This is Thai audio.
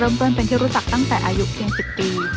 เริ่มเปิดเป็นที่รู้จักตั้งแต่อายุเพียง๑๐ปี